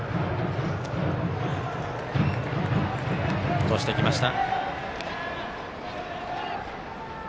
落としていきました。